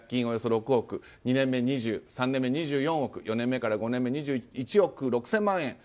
およそ６億２年目、２０億３年目、２４億４年目から５年目２１億６０００万円。